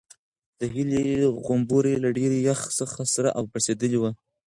د هیلې غومبوري له ډېر یخ څخه سره او پړسېدلي وو.